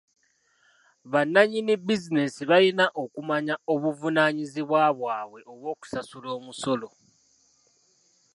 Bannanyini bizinensi balina okumanya obuvunaanyizibwa bwabwe obw'okusasula omusolo.